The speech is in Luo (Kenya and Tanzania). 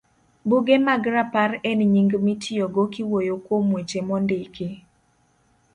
Buge mag Rapar en nying mitiyogo kiwuoyo kuom weche mondiki